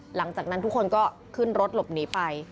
หลังจากนั้นทุกคนก็ขึ้นรถหลบหนีไป